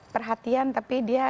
perhatian tapi dia